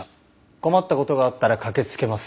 「困ったことがあったら駆け付けます！」